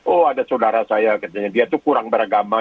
oh ada saudara saya dia itu kurang beragama